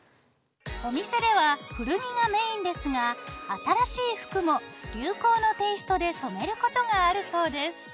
お店では古着がメインですが新しい服も流行のテイストで染めることがあるそうです。